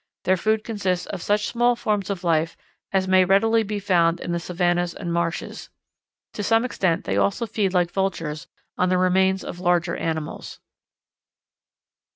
Their food consists of such small forms of life as may readily be found in the savannas and marshes. To some extent they also feed like vultures on the remains of larger animals.